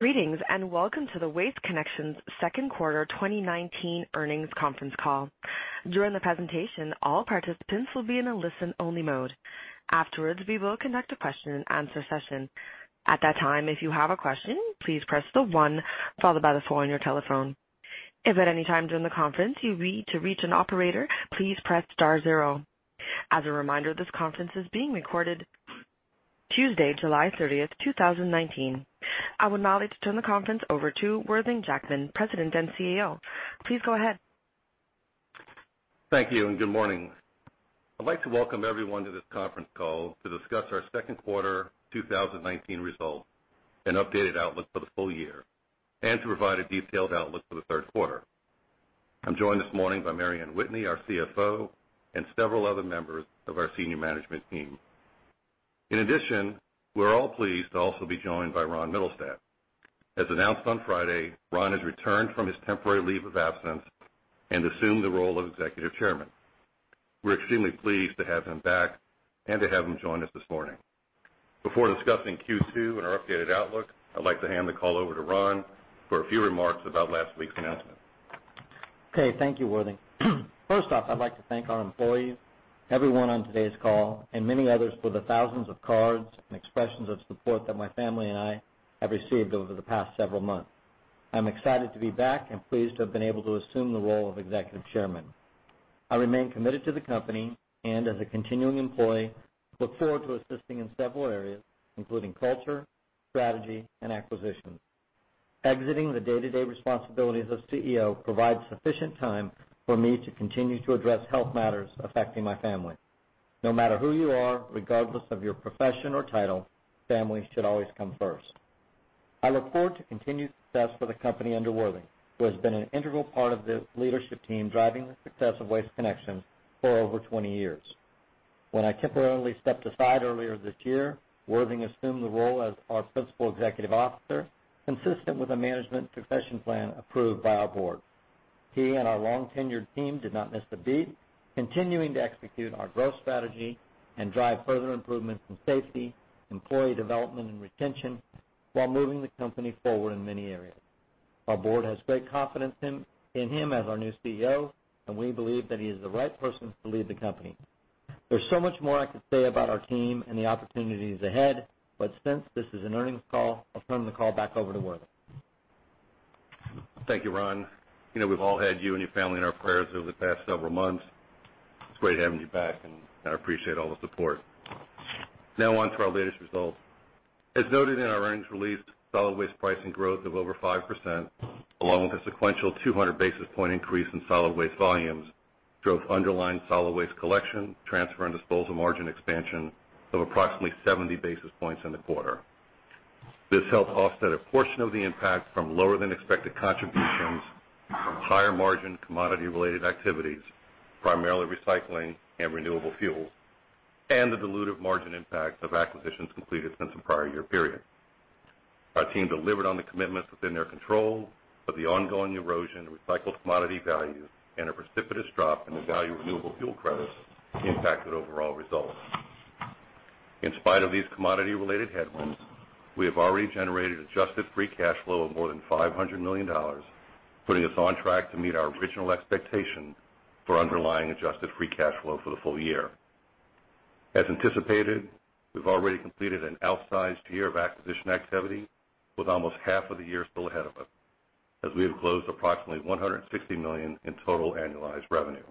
Greetings, welcome to the Waste Connections second quarter 2019 earnings conference call. During the presentation, all participants will be in a listen-only mode. Afterwards, we will conduct a question-and-answer session. At that time, if you have a question, please press the one followed by the four on your telephone. If at any time during the conference you need to reach an operator, please press star zero. As a reminder, this conference is being recorded. Tuesday, July 30th, 2019. I would now like to turn the conference over to Worthing Jackman, President and CEO. Please go ahead. Thank you, good morning. I'd like to welcome everyone to this conference call to discuss our second quarter 2019 results and updated outlook for the full year, to provide a detailed outlook for the third quarter. I'm joined this morning by Mary Anne Whitney, our CFO, and several other members of our senior management team. In addition, we're all pleased to also be joined by Ron Mittelstaedt. As announced on Friday, Ron has returned from his temporary leave of absence and assumed the role of Executive Chairman. We're extremely pleased to have him back and to have him join us this morning. Before discussing Q2 and our updated outlook, I'd like to hand the call over to Ron for a few remarks about last week's announcement. Okay. Thank you, Worthing. First off, I'd like to thank our employees, everyone on today's call, and many others for the thousands of cards and expressions of support that my family and I have received over the past several months. I'm excited to be back and pleased to have been able to assume the role of Executive Chairman. I remain committed to the company and as a continuing employee, look forward to assisting in several areas, including culture, strategy, and acquisition. Exiting the day-to-day responsibilities as CEO provides sufficient time for me to continue to address health matters affecting my family. No matter who you are, regardless of your profession or title, family should always come first. I look forward to continued success for the company under Worthing, who has been an integral part of the leadership team driving the success of Waste Connections for over 20 years. When I temporarily stepped aside earlier this year, Worthing assumed the role as our principal executive officer, consistent with a management succession plan approved by our board. He and our long-tenured team did not miss a beat, continuing to execute our growth strategy and drive further improvements in safety, employee development, and retention, while moving the company forward in many areas. Our board has great confidence in him as our new CEO, and we believe that he is the right person to lead the company. There's so much more I could say about our team and the opportunities ahead, since this is an earnings call, I'll turn the call back over to Worthing. Thank you, Ron. We've all had you and your family in our prayers over the past several months. It's great having you back, and I appreciate all the support. Now on to our latest results. As noted in our earnings release, solid waste pricing growth of over 5%, along with a sequential 200 basis points increase in solid waste volumes, drove underlying solid waste collection, transfer, and disposal margin expansion of approximately 70 basis points in the quarter. This helped offset a portion of the impact from lower than expected contributions from higher margin commodity-related activities, primarily recycling and renewable fuels, and the dilutive margin impact of acquisitions completed since the prior year period. The ongoing erosion of recycled commodity value and a precipitous drop in the value of renewable fuel credits impacted overall results. In spite of these commodity-related headwinds, we have already generated adjusted free cash flow of more than $500 million, putting us on track to meet our original expectation for underlying adjusted free cash flow for the full year. As anticipated, we've already completed an outsized year of acquisition activity with almost half of the year still ahead of us, as we have closed approximately $160 million in total annualized revenue.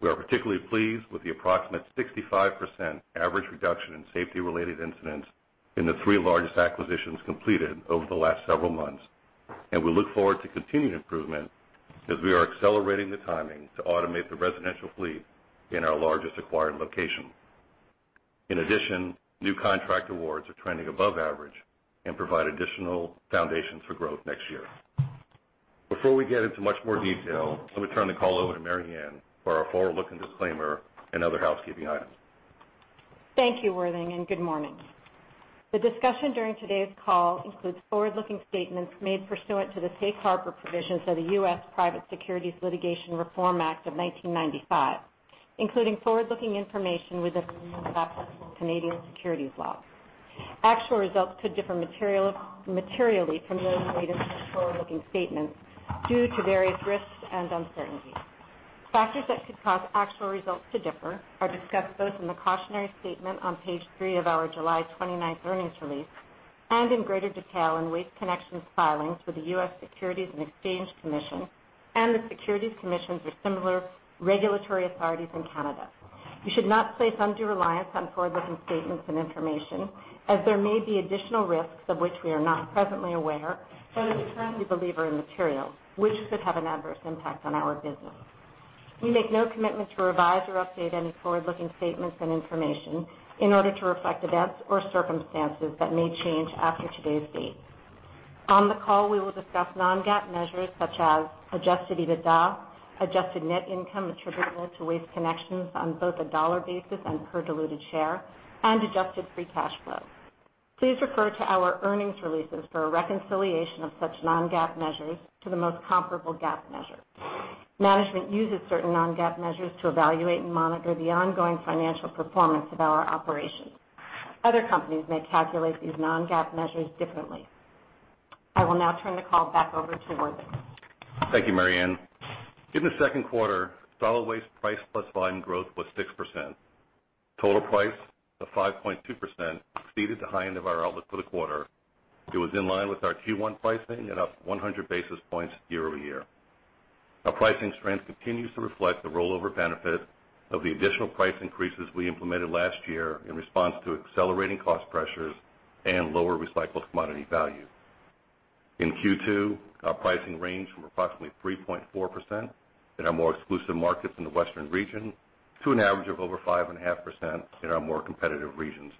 We are particularly pleased with the approximate 65% average reduction in safety-related incidents in the three largest acquisitions completed over the last several months, and we look forward to continued improvement as we are accelerating the timing to automate the residential fleet in our largest acquired location. In addition, new contract awards are trending above average and provide additional foundations for growth next year. Before we get into much more detail, let me turn the call over to Mary Anne for our forward-looking disclaimer and other housekeeping items. Thank you, Worthing, and good morning. The discussion during today's call includes forward-looking statements made pursuant to the Safe Harbor Provisions of the U.S. Private Securities Litigation Reform Act of 1995, including forward-looking information with applicable Canadian securities law. Actual results could differ materially from those made in such forward-looking statements due to various risks and uncertainties. Factors that could cause actual results to differ are discussed both in the cautionary statement on page three of our July 29th earnings release and in greater detail in Waste Connections's filings with the U.S. Securities and Exchange Commission and the Securities Commissions or similar regulatory authorities in Canada. You should not place undue reliance on forward-looking statements and information, as there may be additional risks of which we are not presently aware or that we currently believe are immaterial, which could have an adverse impact on our business. We make no commitment to revise or update any forward-looking statements and information in order to reflect events or circumstances that may change after today's date. On the call, we will discuss non-GAAP measures such as adjusted EBITDA, adjusted net income attributable to Waste Connections on both a dollar basis and per diluted share, and adjusted free cash flow. Please refer to our earnings releases for a reconciliation of such non-GAAP measures to the most comparable GAAP measure. Management uses certain non-GAAP measures to evaluate and monitor the ongoing financial performance of our operations. Other companies may calculate these non-GAAP measures differently. I will now turn the call back over to Worthing. Thank you, Mary Anne. In the second quarter, solid waste price plus volume growth was 6%. Total price of 5.2% exceeded the high end of our outlook for the quarter. It was in line with our Q1 pricing and up 100 basis points year-over-year. Our pricing strength continues to reflect the rollover benefit of the additional price increases we implemented last year in response to accelerating cost pressures and lower recycled commodity value. In Q2, our pricing ranged from approximately 3.4% in our more exclusive markets in the Western region to an average of over 5.5% in our more competitive regions.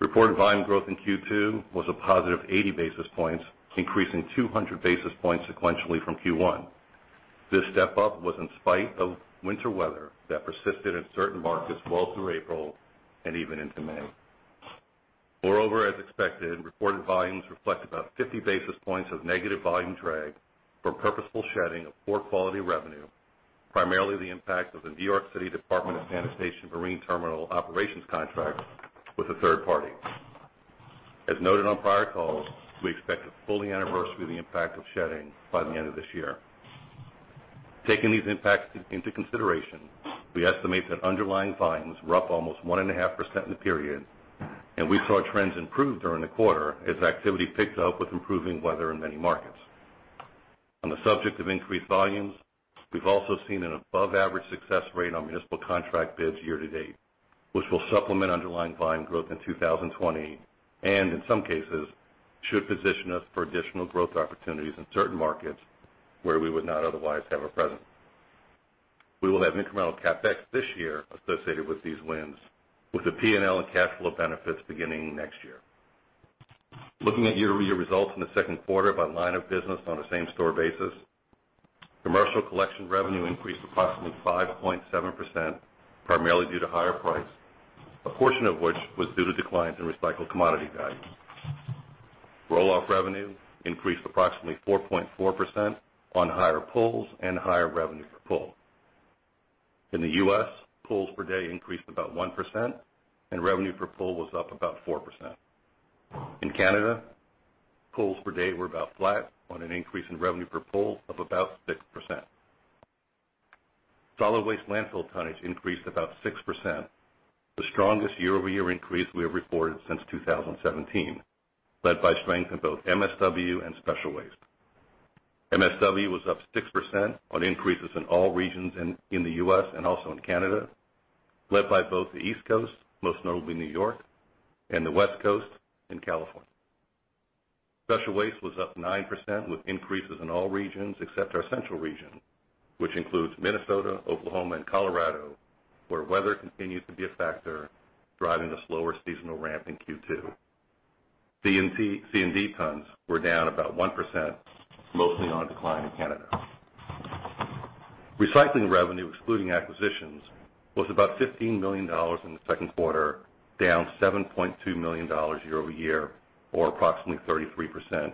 Reported volume growth in Q2 was a positive 80 basis points, increasing 200 basis points sequentially from Q1. This step-up was in spite of winter weather that persisted in certain markets well through April and even into May. As expected, reported volumes reflect about 50 basis points of negative volume drag from purposeful shedding of poor quality revenue, primarily the impact of the New York City Department of Sanitation Marine Terminal operations contract with a third party. As noted on prior calls, we expect to fully anniversary the impact of shedding by the end of this year. Taking these impacts into consideration, we estimate that underlying volumes were up almost 1.5% in the period, and we saw trends improve during the quarter as activity picked up with improving weather in many markets. On the subject of increased volumes, we've also seen an above-average success rate on municipal contract bids year-to-date, which will supplement underlying volume growth in 2020, and in some cases, should position us for additional growth opportunities in certain markets where we would not otherwise have a presence. We will have incremental CapEx this year associated with these wins, with the P&L and cash flow benefits beginning next year. Looking at year-over-year results in the second quarter by line of business on a same-store basis, commercial collection revenue increased approximately 5.7%, primarily due to higher price, a portion of which was due to declines in recycled commodity values. Roll-off revenue increased approximately 4.4% on higher pulls and higher revenue per pull. In the U.S., pulls per day increased about 1%, and revenue per pull was up about 4%. In Canada, pulls per day were about flat on an increase in revenue per pull of about 6%. Solid waste landfill tonnage increased about 6%, the strongest year-over-year increase we have reported since 2017, led by strength in both MSW and special waste. MSW was up 6% on increases in all regions in the U.S. and also in Canada, led by both the East Coast, most notably New York, and the West Coast and California. Special waste was up 9% with increases in all regions except our central region, which includes Minnesota, Oklahoma, and Colorado, where weather continued to be a factor, driving a slower seasonal ramp in Q2. C&D tons were down about 1%, mostly on a decline in Canada. Recycling revenue, excluding acquisitions, was about $15 million in the second quarter, down $7.2 million year-over-year or approximately 33%,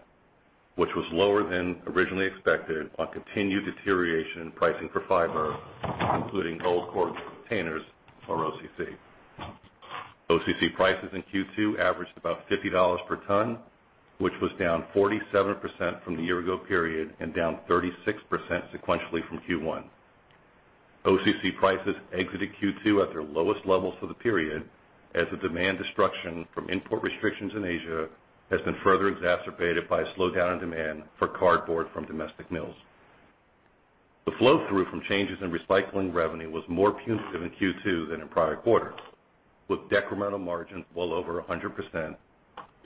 which was lower than originally expected on continued deterioration in pricing for fiber, including old corrugated containers or OCC. OCC prices in Q2 averaged about $50 per ton, which was down 47% from the year ago period and down 36% sequentially from Q1. OCC prices exited Q2 at their lowest levels for the period, as the demand destruction from import restrictions in Asia has been further exacerbated by a slowdown in demand for cardboard from domestic mills. The flow-through from changes in recycling revenue was more punitive in Q2 than in prior quarters, with decremental margins well over 100%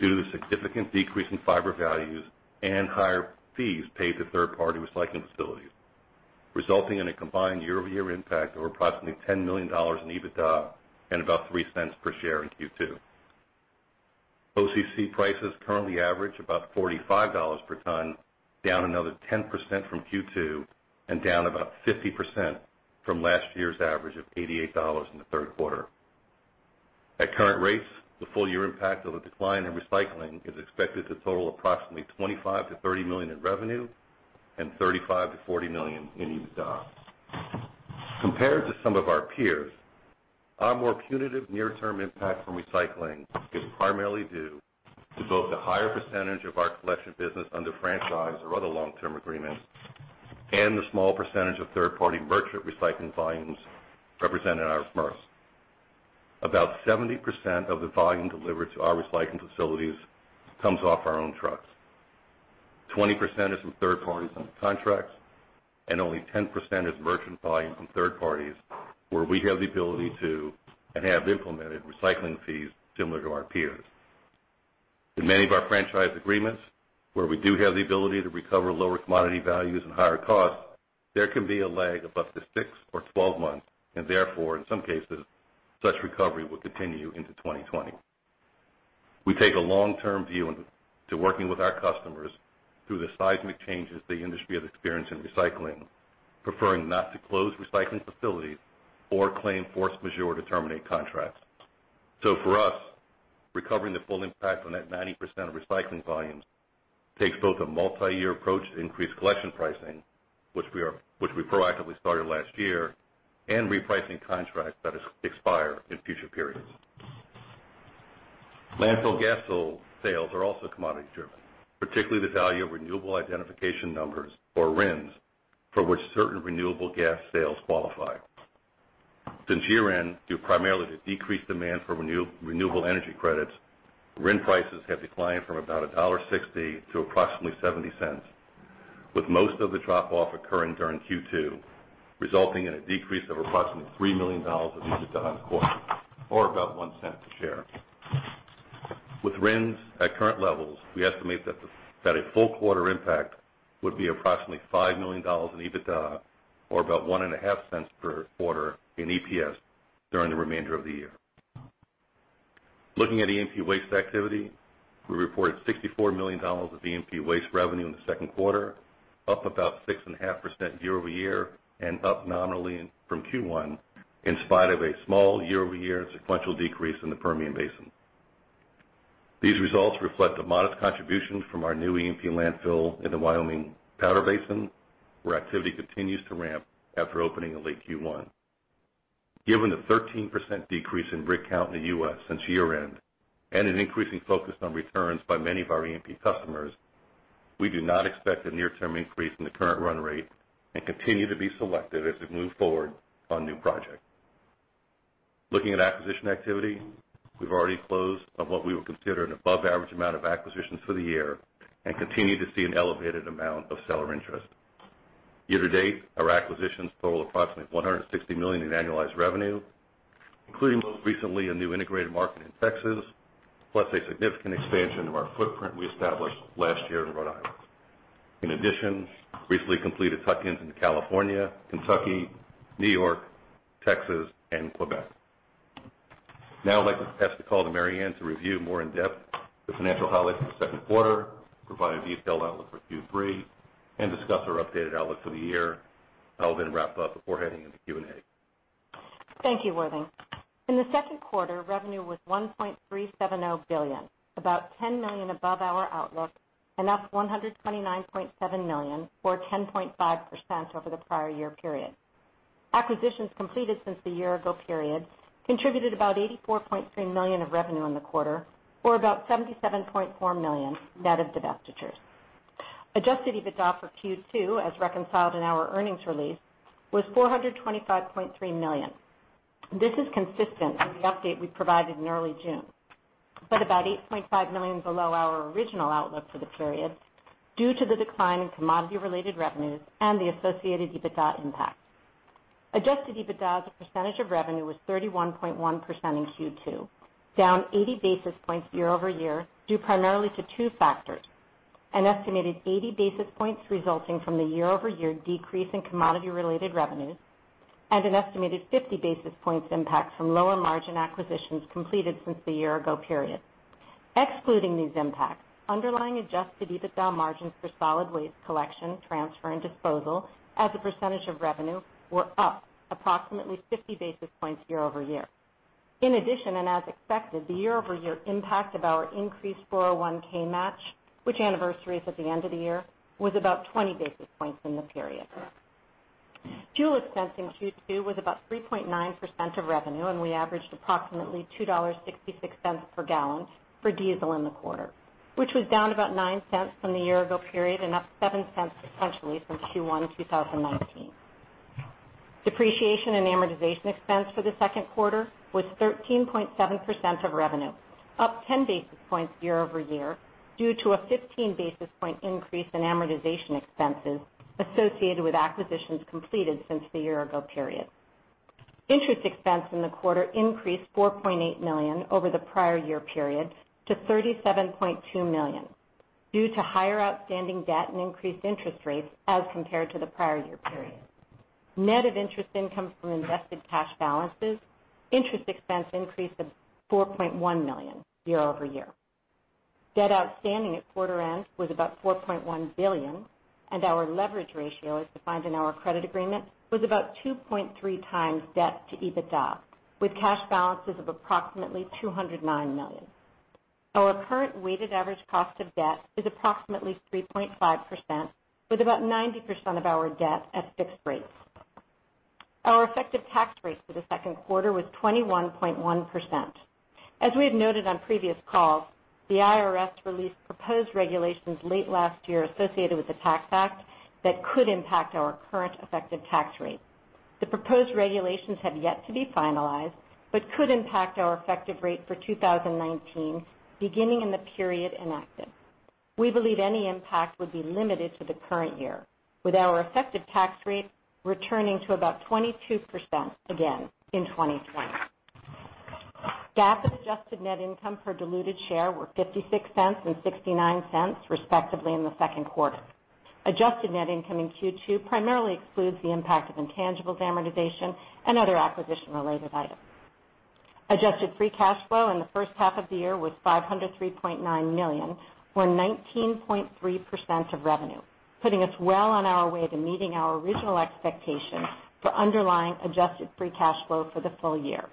due to the significant decrease in fiber values and higher fees paid to third-party recycling facilities, resulting in a combined year-over-year impact of approximately $10 million in EBITDA and about $0.03 per share in Q2. OCC prices currently average about $45 per ton, down another 10% from Q2 and down about 50% from last year's average of $88 in the third quarter. At current rates, the full-year impact of the decline in recycling is expected to total approximately $25 million-$30 million in revenue and $35 million-$40 million in EBITDA. Compared to some of our peers, our more punitive near-term impact from recycling is primarily due to both the higher percentage of our collection business under franchise or other long-term agreements and the small percentage of third-party merchant recycling volumes represented in our MRFs. About 70% of the volume delivered to our recycling facilities comes off our own trucks. 20% is from third parties on contracts, and only 10% is merchant volume from third parties, where we have the ability to, and have implemented recycling fees similar to our peers. In many of our franchise agreements, where we do have the ability to recover lower commodity values and higher costs, there can be a lag of up to six or 12 months, and therefore, in some cases, such recovery will continue into 2020. We take a long-term view to working with our customers through the seismic changes the industry has experienced in recycling, preferring not to close recycling facilities or claim force majeure to terminate contracts. For us, recovering the full impact on that 90% of recycling volumes takes both a multi-year approach to increased collection pricing, which we proactively started last year, and repricing contracts that expire in future periods. Landfill gas sales are also commodity-driven, particularly the value of Renewable Identification Numbers, or RINs, for which certain renewable gas sales qualify. Since year-end, due primarily to decreased demand for renewable energy credits, RIN prices have declined from about $1.60 to approximately $0.70, with most of the drop-off occurring during Q2, resulting in a decrease of approximately $3 million in EBITDA on the quarter, or about $0.01 per share. With RINs at current levels, we estimate that a full quarter impact would be approximately $5 million in EBITDA, or about one and a half cents per quarter in EPS during the remainder of the year. Looking at E&P waste activity, we reported $64 million of E&P waste revenue in the second quarter, up about 6.5% year-over-year and up nominally from Q1, in spite of a small year-over-year sequential decrease in the Permian Basin. These results reflect the modest contributions from our new E&P landfill in the Wyoming Powder Basin, where activity continues to ramp after opening in late Q1. Given the 13% decrease in rig count in the U.S. since year-end and an increasing focus on returns by many of our E&P customers, we do not expect a near-term increase in the current run rate and continue to be selective as we move forward on new projects. Looking at acquisition activity, we've already closed on what we would consider an above-average amount of acquisitions for the year and continue to see an elevated amount of seller interest. Year to date, our acquisitions total approximately $160 million in annualized revenue, including most recently a new integrated market in Texas, plus a significant expansion of our footprint we established last year in Rhode Island. In addition, recently completed tuck-ins into California, Kentucky, New York, Texas, and Quebec. Now I'd like to pass the call to Mary Anne to review more in depth the financial highlights of the second quarter, provide a detailed outlook for Q3, and discuss our updated outlook for the year. I will then wrap up before heading into Q&A. Thank you, Worthing. In the second quarter, revenue was $1.370 billion, about $10 million above our outlook and up $129.7 million or 10.5% over the prior-year period. Acquisitions completed since the year-ago period contributed about $84.3 million of revenue in the quarter, or about $77.4 million net of divestitures. Adjusted EBITDA for Q2, as reconciled in our earnings release, was $425.3 million. This is consistent with the update we provided in early June, but about $8.5 million below our original outlook for the period due to the decline in commodity-related revenues and the associated EBITDA impact. Adjusted EBITDA as a percentage of revenue was 31.1% in Q2, down 80 basis points year-over-year due primarily to two factors: an estimated 80 basis points resulting from the year-over-year decrease in commodity-related revenues and an estimated 50 basis points impact from lower-margin acquisitions completed since the year-ago period. Excluding these impacts, underlying adjusted EBITDA margins for solid waste collection, transfer, and disposal as a percentage of revenue were up approximately 50 basis points year-over-year. As expected, the year-over-year impact of our increased 401(k) match, which anniversaries at the end of the year, was about 20 basis points in the period. Fuel expense in Q2 was about 3.9% of revenue, we averaged approximately $2.66 per gallon for diesel in the quarter, which was down about $0.09 from the year-ago period and up $0.07 sequentially since Q1 2019. Depreciation and amortization expense for the second quarter was 13.7% of revenue, up 10 basis points year-over-year due to a 15 basis point increase in amortization expenses associated with acquisitions completed since the year-ago period. Interest expense in the quarter increased $4.8 million over the prior year period to $37.2 million due to higher outstanding debt and increased interest rates as compared to the prior year period. Net of interest income from invested cash balances, interest expense increased to $4.1 million year-over-year. Debt outstanding at quarter end was about $4.1 billion, and our leverage ratio, as defined in our credit agreement, was about 2.3 times debt to EBITDA, with cash balances of approximately $209 million. Our current weighted average cost of debt is approximately 3.5%, with about 90% of our debt at fixed rates. Our effective tax rate for the second quarter was 21.1%. As we have noted on previous calls, the IRS released proposed regulations late last year associated with the Tax Act that could impact our current effective tax rate. The proposed regulations have yet to be finalized but could impact our effective rate for 2019, beginning in the period enacted. We believe any impact would be limited to the current year, with our effective tax rate returning to about 22% again in 2020. GAAP and adjusted net income per diluted share were $0.56 and $0.69 respectively in the second quarter. Adjusted net income in Q2 primarily excludes the impact of intangibles amortization and other acquisition-related items. Adjusted free cash flow in the first half of the year was $503.9 million, or 19.3% of revenue. Putting us well on our way to meeting our original expectations for underlying adjusted free cash flow for the full year.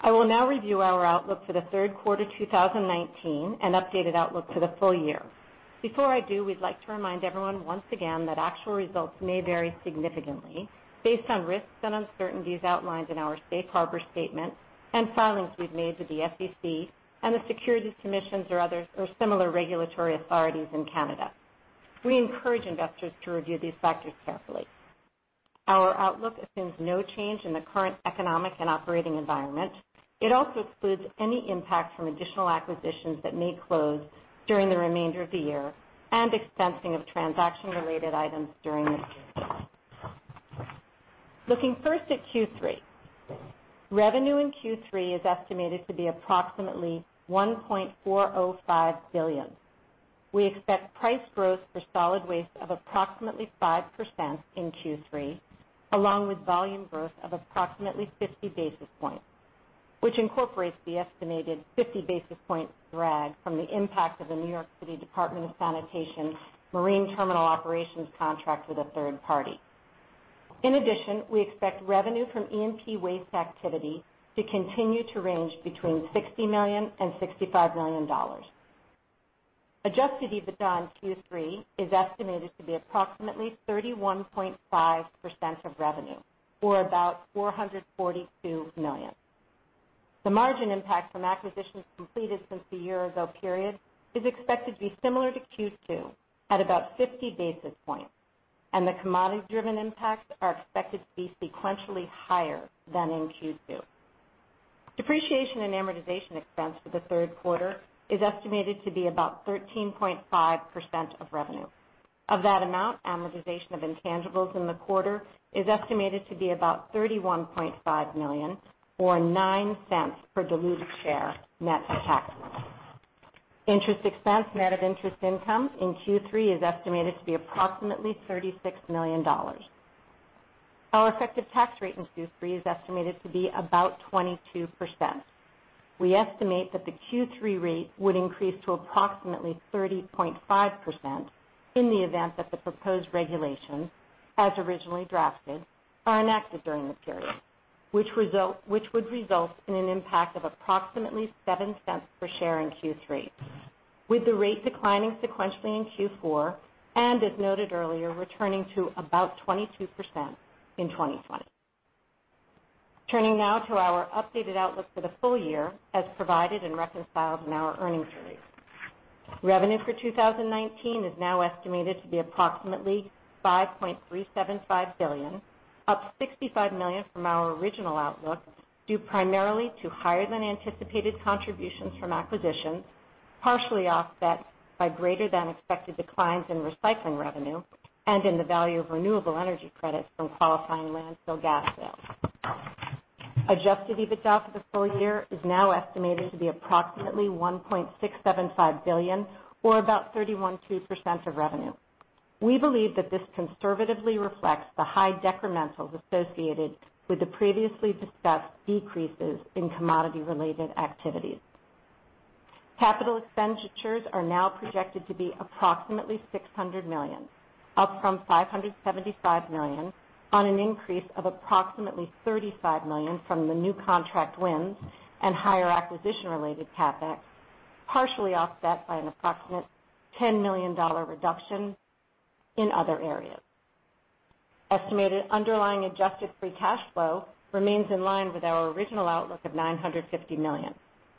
I will now review our outlook for the third quarter 2019 and updated outlook for the full year. Before I do, we'd like to remind everyone once again that actual results may vary significantly based on risks and uncertainties outlined in our safe harbor statement and filings we've made with the SEC and the securities commissions or others or similar regulatory authorities in Canada. We encourage investors to review these factors carefully. Our outlook assumes no change in the current economic and operating environment. It also excludes any impact from additional acquisitions that may close during the remainder of the year and expensing of transaction-related items during the period. Looking first at Q3. Revenue in Q3 is estimated to be approximately $1.405 billion. We expect price growth for solid waste of approximately 5% in Q3, along with volume growth of approximately 50 basis points, which incorporates the estimated 50 basis points drag from the impact of the New York City Department of Sanitation marine terminal operations contract with a third party. We expect revenue from E&P waste activity to continue to range between $60 million-$65 million. Adjusted EBITDA in Q3 is estimated to be approximately 31.5% of revenue or about $442 million. The margin impact from acquisitions completed since the year-ago period is expected to be similar to Q2 at about 50 basis points, the commodity driven impacts are expected to be sequentially higher than in Q2. Depreciation and amortization expense for the third quarter is estimated to be about 13.5% of revenue. Of that amount, amortization of intangibles in the quarter is estimated to be about $31.5 million or $0.09 per diluted share, net of tax. Interest expense net of interest income in Q3 is estimated to be approximately $36 million. Our effective tax rate in Q3 is estimated to be about 22%. We estimate that the Q3 rate would increase to approximately 30.5% in the event that the proposed regulations, as originally drafted, are enacted during the period, which would result in an impact of approximately $0.07 per share in Q3, with the rate declining sequentially in Q4, and as noted earlier, returning to about 22% in 2020. Turning now to our updated outlook for the full year, as provided and reconciled in our earnings release. Revenue for 2019 is now estimated to be approximately $5.375 billion, up $65 million from our original outlook, due primarily to higher than anticipated contributions from acquisitions, partially offset by greater than expected declines in recycling revenue and in the value of renewable energy credits from qualifying landfill gas sales. Adjusted EBITDA for the full year is now estimated to be approximately $1.675 billion or about 31.2% of revenue. We believe that this conservatively reflects the high decrementals associated with the previously discussed decreases in commodity-related activities. Capital expenditures are now projected to be approximately $600 million, up from $575 million, on an increase of approximately $35 million from the new contract wins and higher acquisition-related CapEx, partially offset by an approximate $10 million reduction in other areas. Estimated underlying adjusted free cash flow remains in line with our original outlook of $950 million,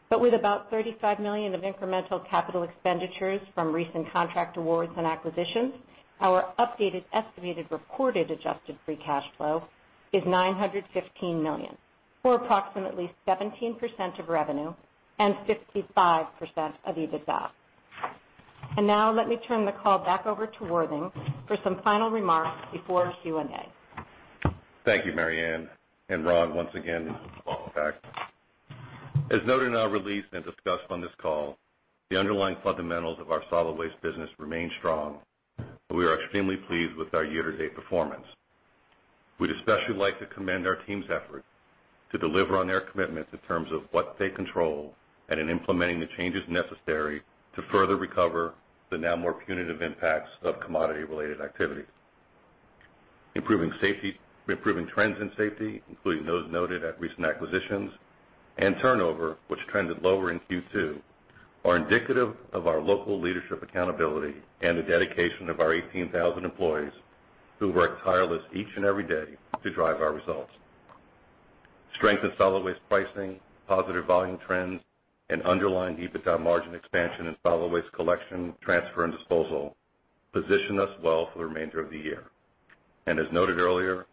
but with about $35 million of incremental capital expenditures from recent contract awards and acquisitions, our updated estimated reported adjusted free cash flow is $915 million, or approximately 17% of revenue and 55% of EBITDA. Now let me turn the call back over to Worthing for some final remarks before Q&A. Thank you, Mary Anne, and Ron, once again, welcome back. As noted in our release and discussed on this call, the underlying fundamentals of our solid waste business remain strong, and we are extremely pleased with our year-to-date performance. We'd especially like to commend our team's effort to deliver on their commitments in terms of what they control and in implementing the changes necessary to further recover the now more punitive impacts of commodity-related activities. Improving trends in safety, including those noted at recent acquisitions, and turnover, which trended lower in Q2, are indicative of our local leadership accountability and the dedication of our 18,000 employees who work tirelessly each and every day to drive our results. Strength in solid waste pricing, positive volume trends, and underlying EBITDA margin expansion in solid waste collection, transfer, and disposal position us well for the remainder of the year. As noted earlier,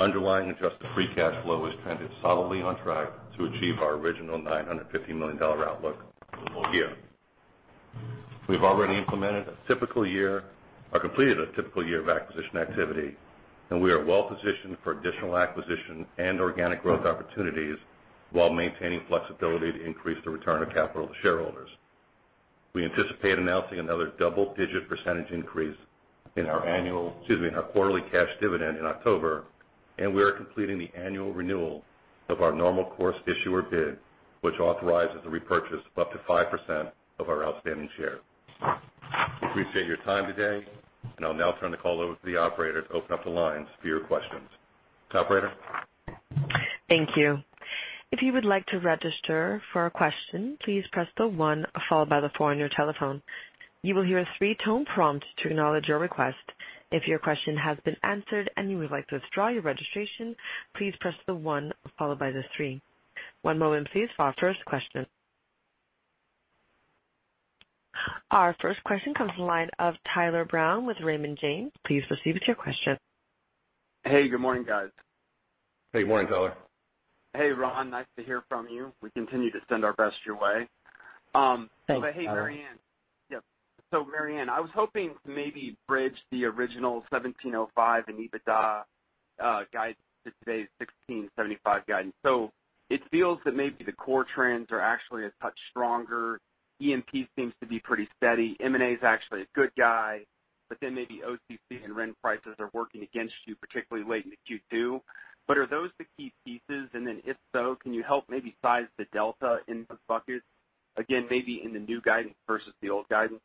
underlying adjusted free cash flow has trended solidly on track to achieve our original $950 million outlook for the full year. We've already implemented a typical year or completed a typical year of acquisition activity, and we are well-positioned for additional acquisition and organic growth opportunities while maintaining flexibility to increase the return of capital to shareholders. We anticipate announcing another double-digit percentage increase in our annual, excuse me, in our quarterly cash dividend in October, and we are completing the annual renewal of our normal course issuer bid, which authorizes the repurchase of up to 5% of our outstanding shares. Appreciate your time today, and I'll now turn the call over to the operator to open up the lines for your questions. Operator? Thank you. If you would like to register for a question, please press the one followed by the four on your telephone. You will hear a three-tone prompt to acknowledge your request. If your question has been answered and you would like to withdraw your registration, please press the one followed by the three. One moment please for our first question. Our first question comes from the line of Tyler Brown with Raymond James. Please proceed with your question. Hey, good morning, guys. Hey, good morning, Tyler. Hey, Ron. Nice to hear from you. We continue to send our best your way. Thanks, Tyler. Hey, Mary Anne. Yep. Mary Anne, I was hoping to maybe bridge the original $17.05 in EBITDA guidance to today's $16.75 guidance. It feels that maybe the core trends are actually a touch stronger. E&P seems to be pretty steady. M&A is actually a good guy, maybe OCC and RIN prices are working against you, particularly late in the Q2. Are those the key pieces? If so, can you help maybe size the delta in those buckets again, maybe in the new guidance versus the old guidance?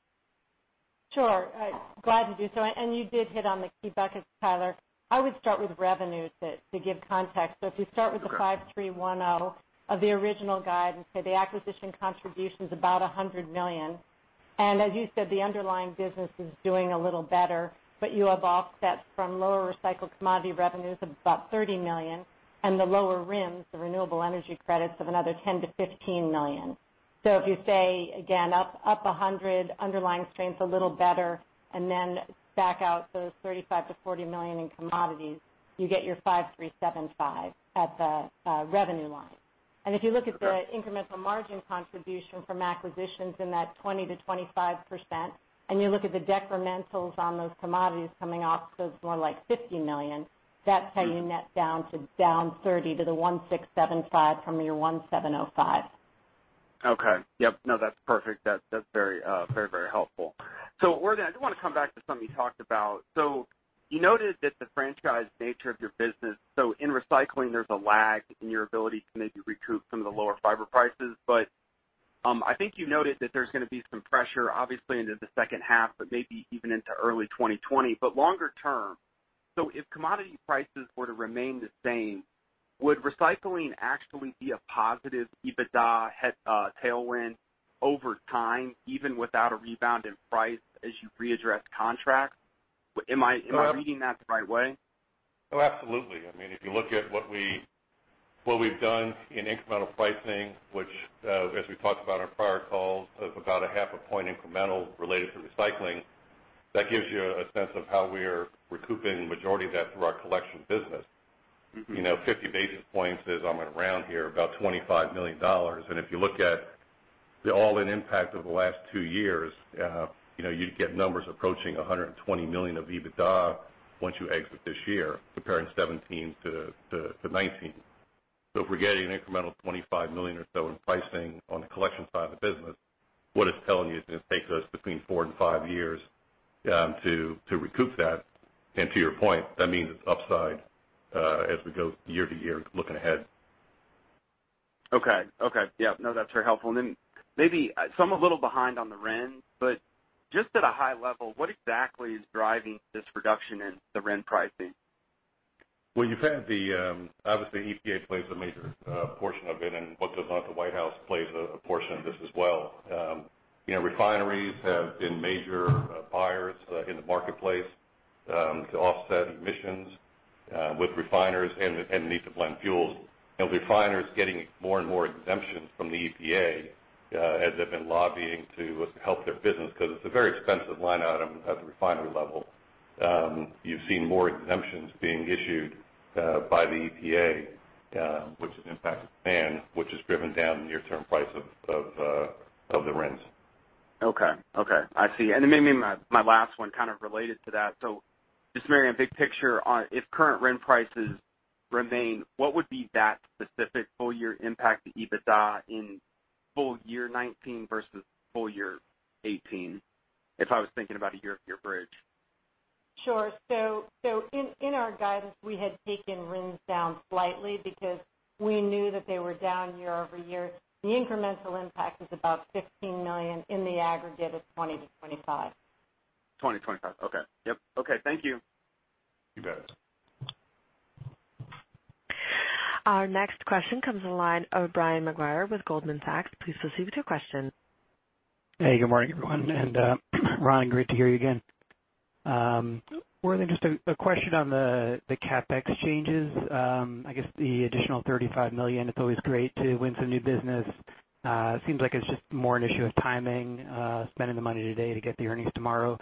Sure. Glad to do so. You did hit on the key buckets, Tyler. I would start with revenue to give context. If you start with the $5,310 of the original guidance, say the acquisition contribution's about $100 million. As you said, the underlying business is doing a little better, but you have offsets from lower recycled commodity revenues of about $30 million, and the lower RINs, the renewable energy credits, of another $10 million-$15 million. If you say again, up $100, underlying strength a little better, and then back out those $35 million-$40 million in commodities, you get your $5,375 at the revenue line. Okay. If you look at the incremental margin contribution from acquisitions in that 20%-25%, and you look at the decrementals on those commodities coming off, so it's more like $50 million, that's how you net down to down $30 to the $1,675 from your $1,705. Okay. Yep. No, that's perfect. That's very helpful. I do want to come back to something you talked about. You noted that the franchise nature of your business, so in recycling, there's a lag in your ability to maybe recoup some of the lower fiber prices. I think you noted that there's going to be some pressure, obviously into the second half, but maybe even into early 2020. Longer term, so if commodity prices were to remain the same, would recycling actually be a positive EBITDA head tailwind over time, even without a rebound in price as you readdress contracts? Am I reading that the right way? Absolutely. If you look at what we've done in incremental pricing, which, as we talked about on our prior calls, of about a half a point incremental related to recycling, that gives you a sense of how we are recouping the majority of that through our collection business. 50 basis points is, I'm going to round here, about $25 million. If you look at the all-in impact over the last two years, you'd get numbers approaching $120 million of EBITDA once you exit this year, comparing 2017 to 2019. If we're getting an incremental $25 million or so in pricing on the collection side of the business, what it's telling you is it takes us between four and five years to recoup that. To your point, that means it's upside, as we go year to year looking ahead. Okay. Yep. No, that's very helpful. I'm a little behind on the RIN, but just at a high level, what exactly is driving this reduction in the RIN pricing? Well, you've had the, obviously EPA plays a major portion of it, and what goes on at the White House plays a portion of this as well. Refineries have been major buyers in the marketplace, to offset emissions, with refiners and the need to blend fuels. Refiners getting more and more exemptions from the EPA, as they've been lobbying to help their business, because it's a very expensive line item at the refinery level. You've seen more exemptions being issued by the EPA, which has impacted demand, which has driven down the near-term price of the RINs. Okay. I see. Maybe my last one kind of related to that. Just Mary Anne, big picture, if current RIN prices remain, what would be that specific full-year impact to EBITDA in full year 2019 versus full year 2018, if I was thinking about a year-to-year bridge? Sure. In our guidance, we had taken RINs down slightly because we knew that they were down year-over-year. The incremental impact is about $15 million in the aggregate of $20 million-$25 million. 2025. Okay. Yep. Okay. Thank you. You bet. Our next question comes in the line of Brian Maguire with Goldman Sachs. Please proceed with your question. Hey, good morning, everyone. Ron, great to hear you again. Ron, just a question on the CapEx changes. I guess the additional $35 million, it's always great to win some new business. Seems like it's just more an issue of timing, spending the money today to get the earnings tomorrow.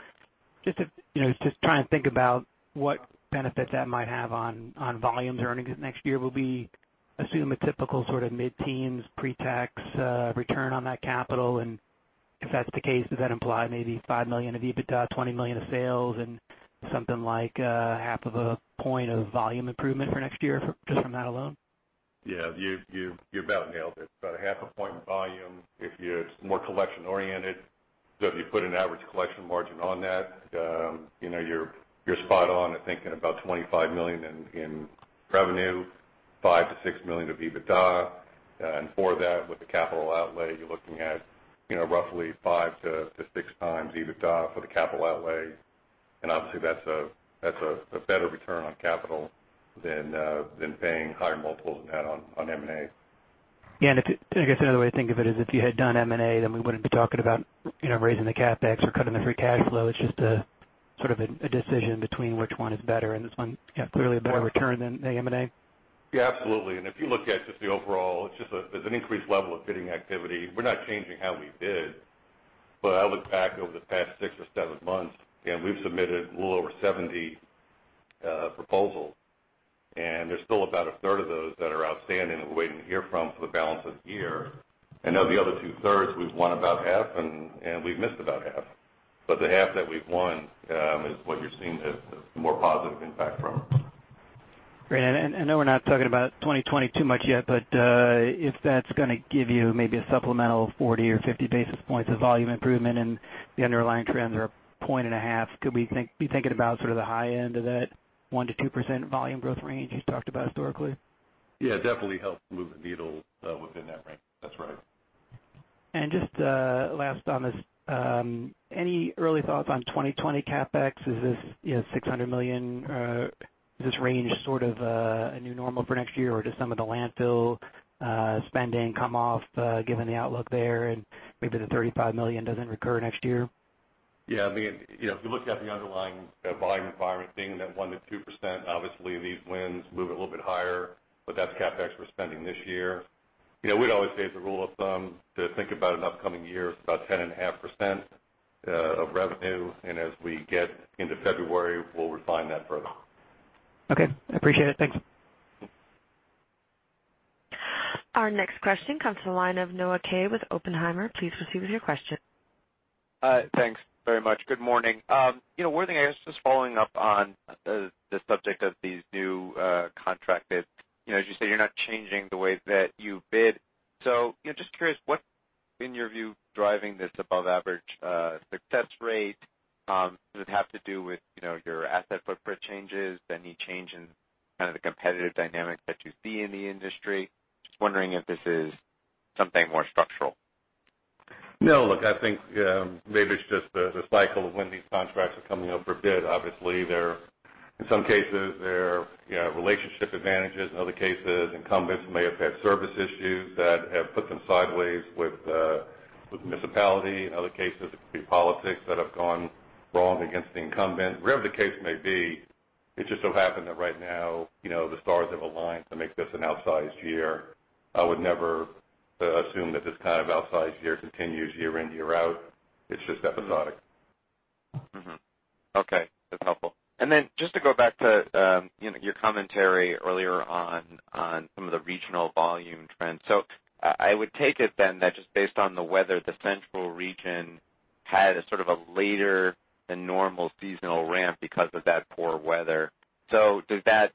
Just trying to think about what benefit that might have on volumes earnings next year will be, assume a typical sort of mid-teens pre-tax return on that capital, and if that's the case, does that imply maybe $5 million of EBITDA, $20 million of sales and something like half of a point of volume improvement for next year just from that alone? Yeah. You've about nailed it. About a half a point volume if you're more collection oriented. If you put an average collection margin on that, you're spot on at thinking about $25 million in revenue, $5 million to $6 million of EBITDA. For that, with the capital outlay, you're looking at roughly 5x to 6x EBITDA for the capital outlay. Obviously, that's a better return on capital than paying higher multiples than that on M&A. Yeah, I guess another way to think of it is if you had done M&A, then we wouldn't be talking about raising the CapEx or cutting the free cash flow. It's just a decision between which one is better, and this one, clearly a better return than the M&A. Yeah, absolutely. If you look at just the overall, there's an increased level of bidding activity. We're not changing how we bid, but I look back over the past six or seven months, and we've submitted a little over 70 proposals. There's still about a third of those that are outstanding and we're waiting to hear from for the balance of the year. Of the other two-thirds, we've won about half, and we've missed about half. The half that we've won is what you're seeing the more positive impact from. Great. I know we're not talking about 2020 too much yet, but if that's going to give you maybe a supplemental 40 or 50 basis points of volume improvement and the underlying trends are a point and a half, could we be thinking about the high end of that 1%-2% volume growth range you talked about historically? Yeah, it definitely helps move the needle within that range. That's right. Just last on this, any early thoughts on 2020 CapEx? Is this $600 million, this range sort of a new normal for next year, or does some of the landfill spending come off given the outlook there and maybe the $35 million doesn't recur next year? Yeah. If you look at the underlying volume environment being that 1% to 2%, obviously these wins move it a little bit higher. That's CapEx we're spending this year. We'd always say as a rule of thumb to think about an upcoming year is about 10.5% of revenue. As we get into February, we'll refine that further. Okay, I appreciate it. Thanks. Our next question comes to the line of Noah Kaye with Oppenheimer. Please proceed with your question. Thanks very much. Good morning. One thing, I guess just following up on the subject of these new contracted, as you say, you're not changing the way that you bid. Just curious, what, in your view, driving this above average success rate? Does it have to do with your asset footprint changes, any change in kind of the competitive dynamic that you see in the industry? Just wondering if this is something more structural. No. Look, I think maybe it's just the cycle of when these contracts are coming up for bid. Obviously, in some cases, there are relationship advantages. In other cases, incumbents may have had service issues that have put them sideways with the municipality. In other cases, it could be politics that have gone wrong against the incumbent. Whatever the case may be, it just so happened that right now, the stars have aligned to make this an outsized year. I would never assume that this kind of outsized year continues year in, year out. It's just episodic. Mm-hmm. Okay. That's helpful. Just to go back to your commentary earlier on some of the regional volume trends. I would take it then that just based on the weather, the central region had a sort of a later than normal seasonal ramp because of that poor weather. Does that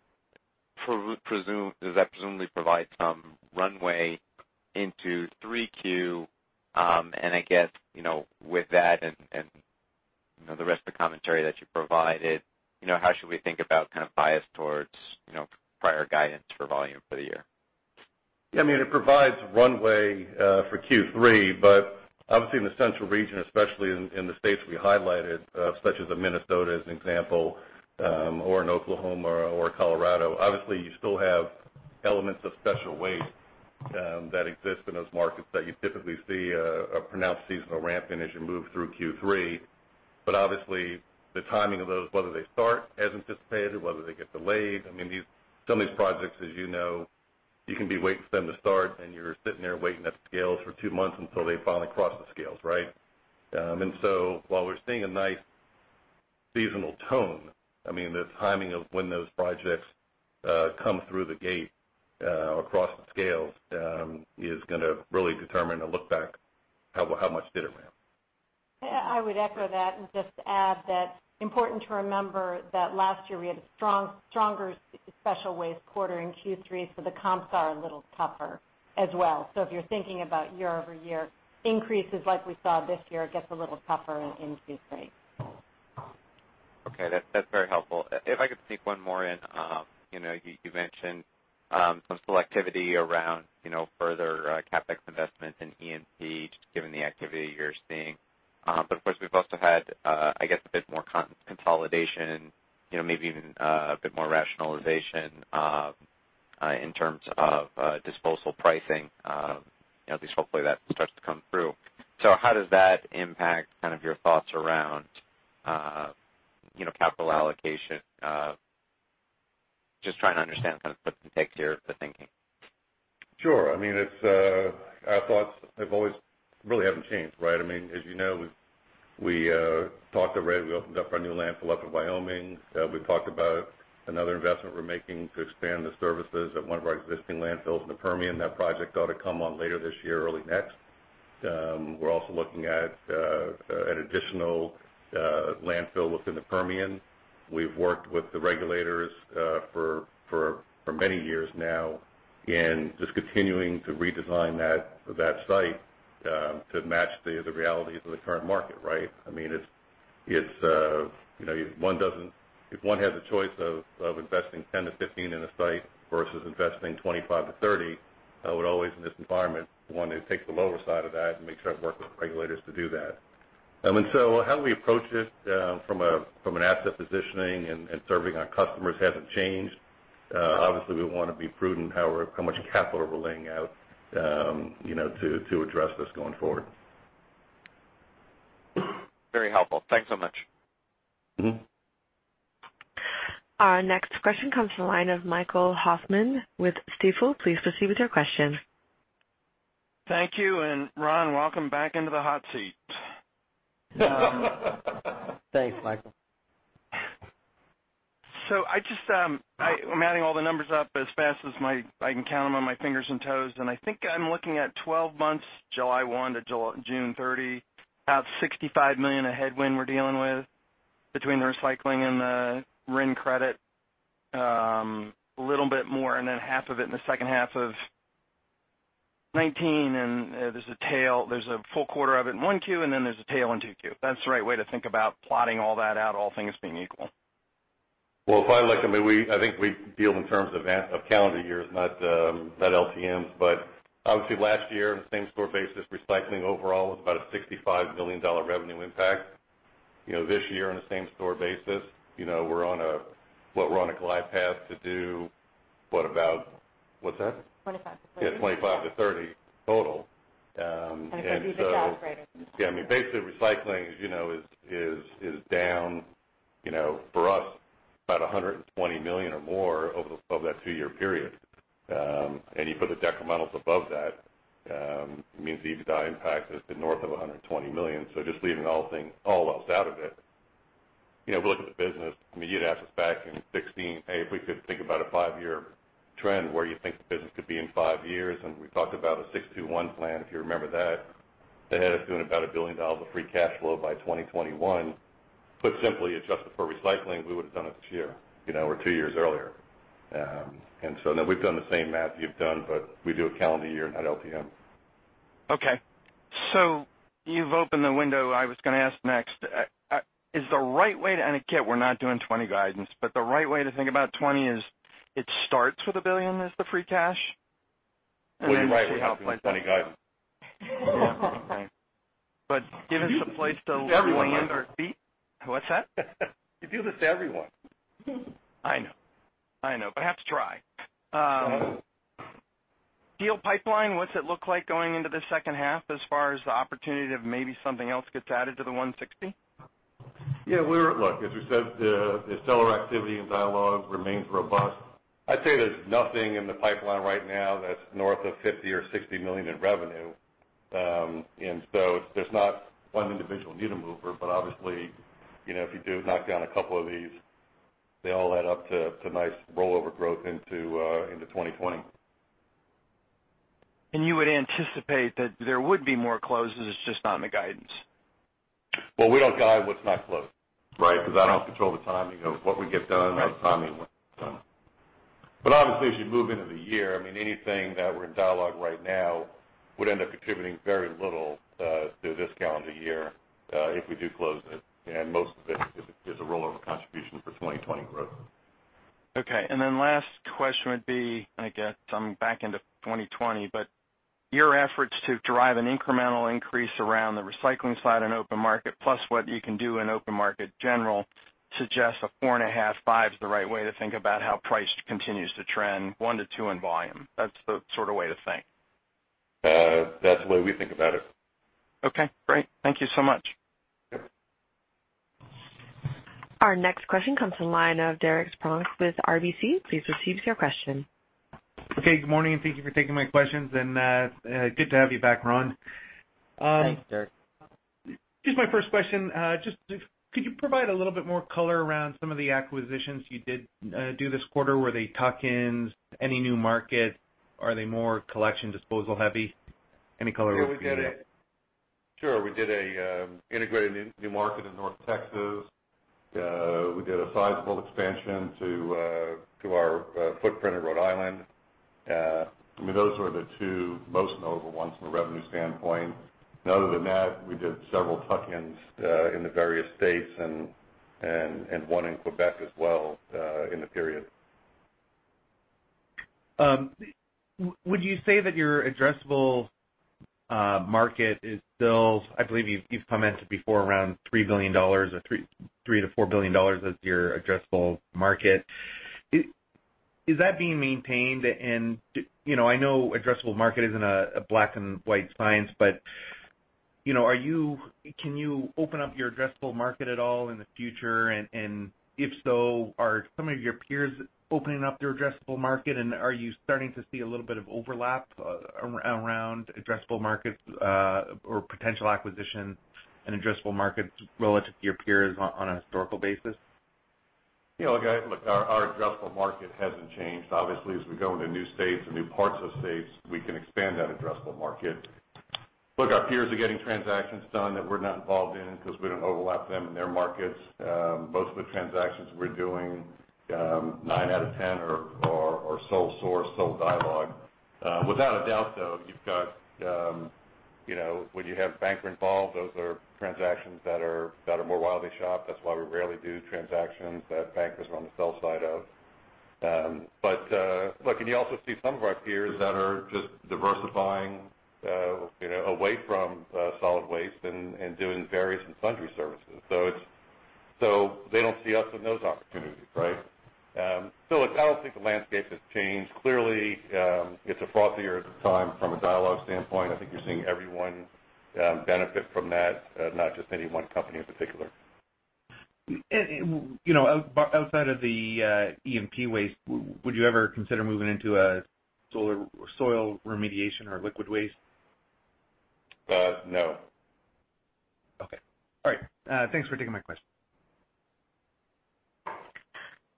presumably provide some runway into 3Q? I guess, with that and the rest of the commentary that you provided, how should we think about kind of bias towards prior guidance for volume for the year? It provides runway for Q3, but obviously in the central region, especially in the states we highlighted, such as Minnesota as an example, or in Oklahoma or Colorado. Obviously, you still have elements of special waste that exist in those markets that you typically see a pronounced seasonal ramp in as you move through Q3. Obviously, the timing of those, whether they start as anticipated or whether they get delayed, some of these projects, as you know, you can be waiting for them to start, and you're sitting there waiting at the scales for two months until they finally cross the scales. While we're seeing a nice seasonal tone, the timing of when those projects come through the gate across the scales is going to really determine a look back how much did it ramp. I would echo that and just add that important to remember that last year we had a stronger special waste quarter in Q3. The comps are a little tougher as well. If you're thinking about year-over-year increases like we saw this year, it gets a little tougher in Q3. Okay. That's very helpful. If I could sneak one more in. You mentioned some selectivity around further CapEx investments in E&P, just given the activity you're seeing. Of course, we've also had, I guess a bit more consolidation, maybe even a bit more rationalization in terms of disposal pricing. At least hopefully that starts to come through. How does that impact kind of your thoughts around capital allocation? Just trying to understand kind of the take here, the thinking. Sure. Our thoughts really haven't changed, right? As you know, we talked already, we opened up our new landfill up in Wyoming. We talked about another investment we're making to expand the services at one of our existing landfills in the Permian. That project ought to come on later this year, early next. We're also looking at an additional landfill within the Permian. We've worked with the regulators for many years now in just continuing to redesign that site to match the realities of the current market, right? If one has a choice of investing $10 million-$15 million in a site versus investing $25 million-$30 million, I would always, in this environment, want to take the lower side of that and make sure I work with regulators to do that. So how we approach this from an asset positioning and serving our customers hasn't changed. Obviously, we want to be prudent how much capital we're laying out to address this going forward. Very helpful. Thanks so much. Our next question comes from the line of Michael Hoffman with Stifel. Please proceed with your question. Thank you, and Ron, welcome back into the hot seat. Thanks, Michael. I'm adding all the numbers up as fast as I can count them on my fingers and toes, and I think I'm looking at 12 months, July 1 to June 30, about $65 million of headwind we're dealing with between the recycling and the RIN credit, a little bit more and then half of it in the second half of 2019, and there's a full quarter of it in 1Q, and then there's a tail in 2Q. That's the right way to think about plotting all that out, all things being equal? Well, if I look, I think we deal in terms of calendar years, not LTMs. But obviously last year, on a same-store basis, recycling overall was about a $65 million revenue impact. This year on a same-store basis, we're on a glide path to do, what, about What's that? 25-30. Yeah, 25 to 30 total. It could be the cash rate. Basically, recycling is down for us about $120 million or more over that two-year period. You put the decrementals above that, it means the EPS DI impact has been north of $120 million. Just leaving all else out of it, we look at the business, you'd asked us back in 2016, "Hey, if we could think about a five-year trend, where you think the business could be in five years?" We talked about a 6-2-1 plan, if you remember that. That had us doing about $1 billion of free cash flow by 2021. Put simply, adjusted for recycling, we would've done it this year, or two years earlier. Now we've done the same math you've done, but we do a calendar year not LTM. Okay. You've opened the window I was going to ask next. I get we're not doing 2020 guidance, but the right way to think about 2020 is, it starts with $1 billion as the free cash? You're right, we're not doing 2020 guidance. Give us a place to land or beat. We do this to everyone. What's that? We do this to everyone. I know. I have to try. Deal pipeline, what's it look like going into the second half as far as the opportunity that maybe something else gets added to the 160? Look, as we said, the seller activity and dialogue remains robust. I'd say there's nothing in the pipeline right now that's north of $50 million or $60 million in revenue. There's not one individual needle mover, but obviously, if you do knock down a couple of these, they all add up to nice rollover growth into 2020. You would anticipate that there would be more closes, it's just not in the guidance. Well, we don't guide what's not closed, right? I don't control the timing of what we get done or the timing when it's done. Obviously, as you move into the year, anything that we're in dialogue right now would end up contributing very little to this calendar year, if we do close it. Most of it is a rollover contribution for 2020 growth. Okay. Then last question would be, I get back into 2020, your efforts to drive an incremental increase around the recycling side and open market, plus what you can do in open market general, suggests a 4.5%-5% is the right way to think about how price continues to trend 1%-2% in volume. That's the way to think? That's the way we think about it. Okay, great. Thank you so much. Yep. Our next question comes from the line of Derek Spronck with RBC. Please proceed with your question. Okay, good morning. Thank you for taking my questions, and good to have you back, Ron. Thanks, Derek. Just my first question, could you provide a little bit more color around some of the acquisitions you did do this quarter? Were they tuck-ins? Any new markets? Are they more collection, disposal heavy? Any color would be great. Sure. We did an integrated new market in North Texas. We did a sizable expansion to our footprint in Rhode Island. Those were the two most notable ones from a revenue standpoint. Other than that, we did several tuck-ins in the various states and one in Quebec as well in the period. Would you say that your addressable market is still, I believe you've commented before around $3 billion or $3 billion-$4 billion as your addressable market. Is that being maintained? I know addressable market isn't a black-and-white science, but can you open up your addressable market at all in the future? If so, are some of your peers opening up their addressable market, are you starting to see a little bit of overlap around addressable markets or potential acquisitions and addressable markets relative to your peers on a historical basis? Look, our addressable market hasn't changed. Obviously, as we go into new states and new parts of states, we can expand that addressable market. Look, our peers are getting transactions done that we're not involved in because we don't overlap them in their markets. Most of the transactions we're doing, nine out of 10 are sole source, sole dialogue. Without a doubt, though, when you have banker involved, those are transactions that are more widely shopped. That's why we rarely do transactions that bankers are on the sell side of. Look, and you also see some of our peers that are just diversifying away from solid waste and doing various and sundry services. They don't see us in those opportunities, right? Look, I don't think the landscape has changed. Clearly, it's a frothier time from a dialogue standpoint. I think you're seeing everyone benefit from that, not just any one company in particular. Outside of the E&P waste, would you ever consider moving into a solid soil remediation or liquid waste? No. Okay. All right. Thanks for taking my question.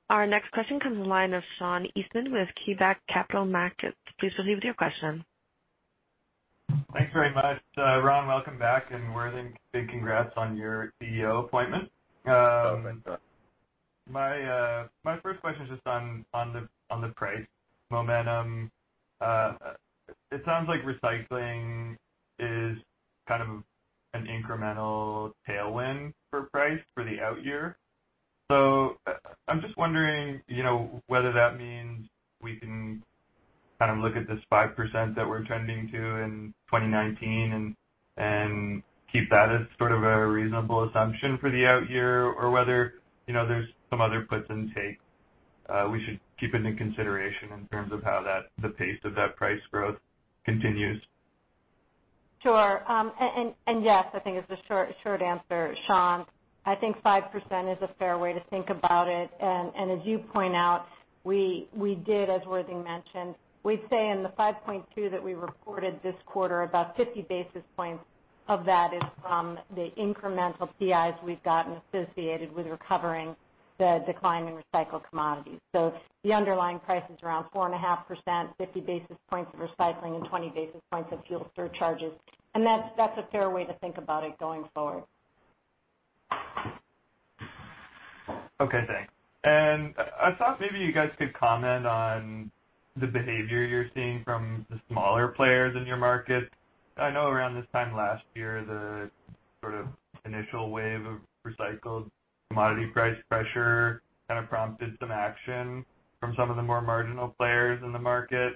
Our next question comes from the line of Sean Eastman with KeyBanc Capital Markets. Please proceed with your question. Thanks very much, Ron. Welcome back. Worthing, big congrats on your CEO appointment. Oh, thanks. My first question is just on the price momentum. It sounds like recycling is kind of an incremental tailwind for price for the out year. I'm just wondering, whether that means we can kind of look at this 5% that we're trending to in 2019 and keep that as sort of a reasonable assumption for the out year, or whether, there's some other puts and takes we should keep into consideration in terms of how the pace of that price growth continues? Sure. Yes, I think is the short answer, Sean. I think 5% is a fair way to think about it. As you point out, we did, as Worthing mentioned, we'd say in the 5.2% that we reported this quarter, about 50 basis points of that is from the incremental CIs we've gotten associated with recovering the decline in recycled commodities. The underlying price is around 4.5%, 50 basis points of recycling and 20 basis points of fuel surcharges. That's a fair way to think about it going forward. Okay, thanks. I thought maybe you guys could comment on the behavior you're seeing from the smaller players in your market. I know around this time last year, the sort of initial wave of recycled commodity price pressure kind of prompted some action from some of the more marginal players in the market.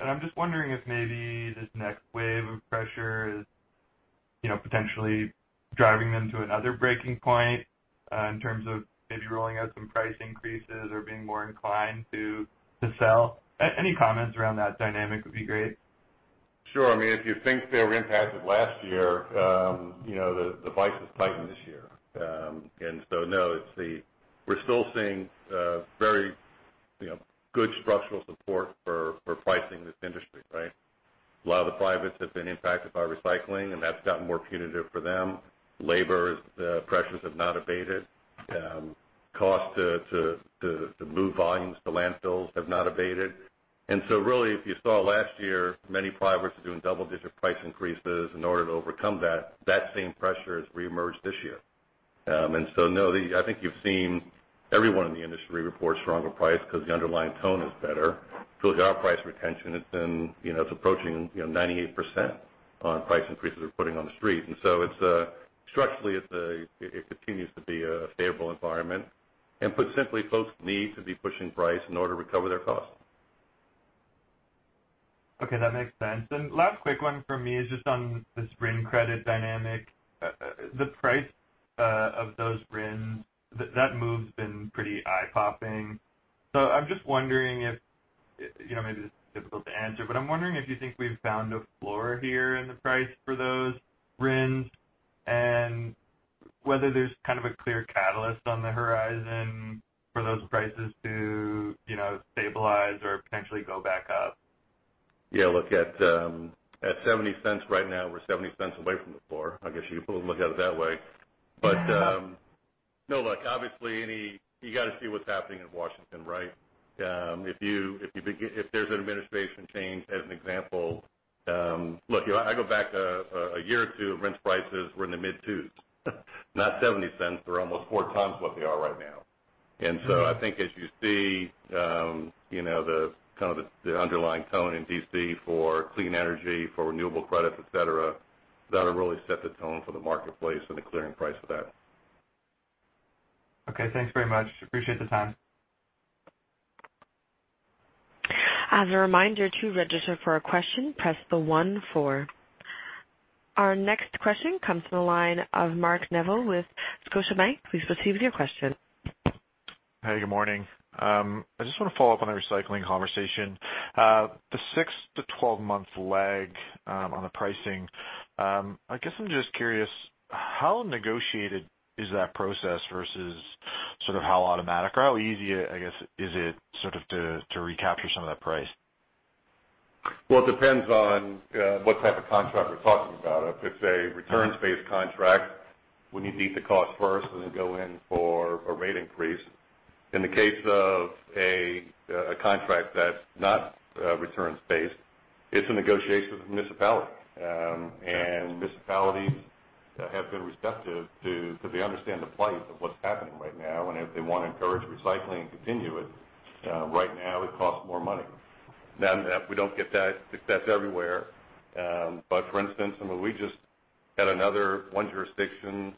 I'm just wondering if maybe this next wave of pressure is potentially driving them to another breaking point, in terms of maybe rolling out some price increases or being more inclined to sell. Any comments around that dynamic would be great. Sure. I mean, if you think they were impacted last year, the vise is tightened this year. No, we're still seeing very good structural support for pricing this industry, right? A lot of the privates have been impacted by recycling, and that's gotten more punitive for them. Labor pressures have not abated. Cost to move volumes to landfills have not abated. Really if you saw last year, many privates were doing double-digit price increases in order to overcome that. That same pressure has reemerged this year. No, I think you've seen everyone in the industry report stronger price because the underlying tone is better. Look, our price retention, it's approaching 98% on price increases we're putting on the street. Structurally it continues to be a favorable environment. Put simply, folks need to be pushing price in order to recover their costs. Okay, that makes sense. Last quick one for me is just on this RIN credit dynamic. The price of those RINs, that move's been pretty eye-popping. I'm just wondering if, maybe this is difficult to answer, but I'm wondering if you think we've found a floor here in the price for those RINs, and whether there's kind of a clear catalyst on the horizon for those prices to stabilize or potentially go back up. Yeah, look, at $0.70 right now, we're $0.70 away from the floor. I guess you could look at it that way. No, look, obviously you got to see what's happening in Washington, right? If there's an administration change, as an example Look, I go back a year or two, RINs prices were in the mid twos not $0.70. We're almost four times what they are right now. I think as you see the kind of underlying tone in D.C. for clean energy, for renewable credits, et cetera, that'll really set the tone for the marketplace and the clearing price for that. Okay, thanks very much. Appreciate the time. As a reminder, to register for a question, press the one four. Our next question comes from the line of Mark Neville with Scotiabank. Please proceed with your question. Hey, good morning. I just want to follow up on the recycling conversation. The six to 12 month lag on the pricing, I guess I'm just curious, how negotiated is that process versus sort of how automatic or how easy, I guess, is it sort of to recapture some of that price? Well, it depends on what type of contract we're talking about. If it's a returns-based contract, we need to eat the cost first and then go in for a rate increase. In the case of a contract that's not returns-based, it's a negotiation with the municipality. Municipalities have been receptive because they understand the plight of what's happening right now, and if they want to encourage recycling and continue it, right now it costs more money. Now, we don't get that success everywhere, but for instance, we just had another one jurisdiction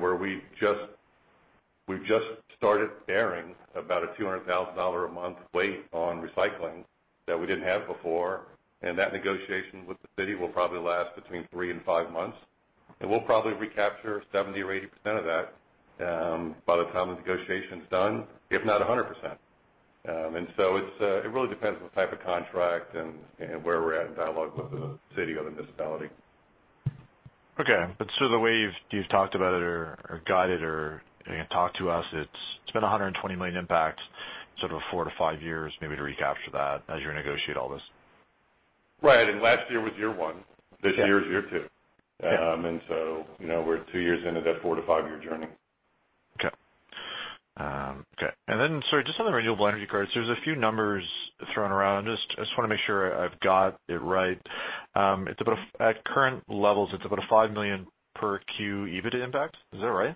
where we've just started bearing about a $200,000 a month weight on recycling that we didn't have before. That negotiation with the city will probably last between three and five months. We'll probably recapture 70% or 80% of that by the time the negotiation's done, if not 100%. It really depends on the type of contract and where we're at in dialogue with the city or the municipality. The way you've talked about it or guided or talked to us, it's been $120 million impact, sort of a four to five years maybe to recapture that as you negotiate all this. Right. Last year was year one. Yeah. This year is year two. Yeah. We're two years into that four to five-year journey. Okay. Sorry, just on the renewable energy credits, there's a few numbers thrown around. Just want to make sure I've got it right. At current levels, it's about a $5 million per Q EBITDA impact. Is that right?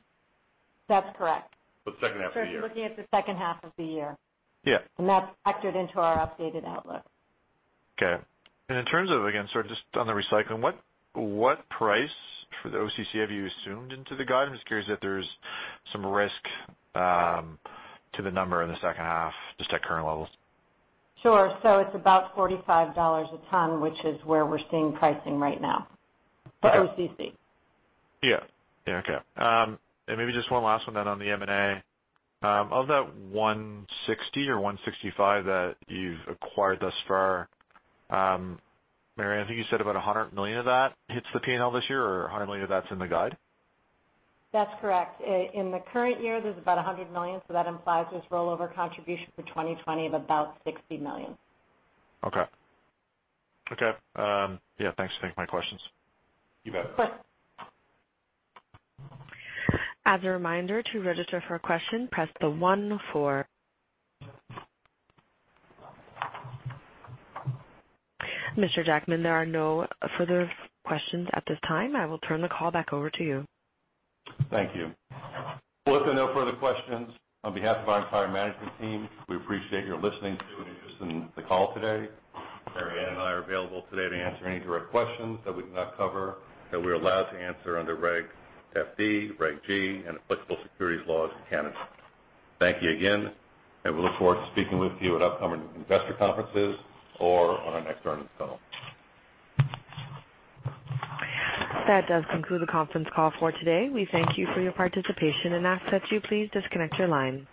That's correct. The second half of the year. If you're looking at the second half of the year. Yeah. That's factored into our updated outlook. Okay. In terms of, again, sort of just on the recycling, what price for the OCC have you assumed into the guidance? Curious if there's some risk to the number in the second half, just at current levels. Sure. It's about $45 a ton, which is where we're seeing pricing right now. Okay for OCC. Yeah. Okay. Maybe just one last one then on the M&A. Of that $160 or $165 that you've acquired thus far, Mary, I think you said about $100 million of that hits the P&L this year, or $100 million of that's in the guide? That's correct. In the current year, there's about $100 million, so that implies just rollover contribution for 2020 of about $60 million. Okay. Yeah, thanks. I think my questions. You bet. Of course. As a reminder, to register for a question, press the one four. Mr. Jackman, there are no further questions at this time. I will turn the call back over to you. Thank you. Well, if there are no further questions, on behalf of our entire management team, we appreciate your listening to and interest in the call today. Mary Anne and I are available today to answer any direct questions that we did not cover that we're allowed to answer under Reg FD, Reg G, and applicable securities laws of Canada. Thank you again, and we look forward to speaking with you at upcoming investor conferences or on our next earnings call. That does conclude the conference call for today. We thank you for your participation and ask that you please disconnect your line.